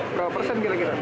berapa persen kira kira